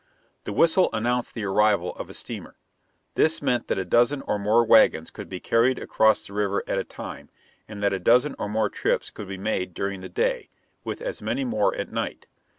The whistle announced the arrival of a steamer. This meant that a dozen or more wagons could be carried across the river at a time, and that a dozen or more trips could be made during the day, with as many more at night.